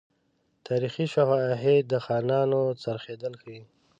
تاریخي شواهد د خانانو خرڅېدل ښيي.